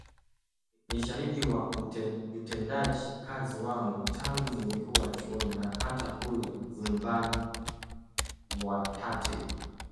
ni shahidi wa utendaji kazi wangu tangu nikiwa chuoni na hata kule nyumbani Mwatate